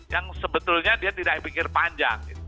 yang sebetulnya dia tidak pikir panjang